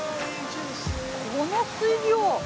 この水量！